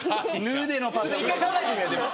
ちょっと１回考えてみようでも。